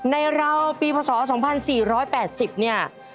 เราปีพศ๒๔๘๐เนี่ย